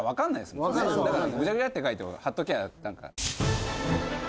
だからグシャグシャって書いて貼っときゃなんか。